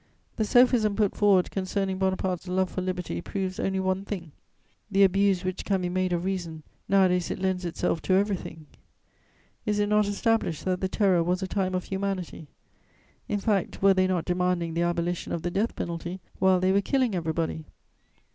The sophism put forward concerning Bonaparte's love for liberty proves only one thing, the abuse which can be made of reason; nowadays it lends itself to everything. Is it not established that the Terror was a time of humanity? In fact, were they not demanding the abolition of the death penalty while they were killing everybody?